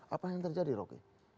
apa yang terjadi rocky